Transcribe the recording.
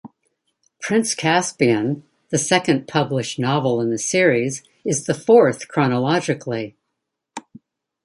"Prince Caspian", the second published novel in the series, is the fourth chronologically.